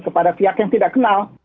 karena ada pihak yang tidak kenal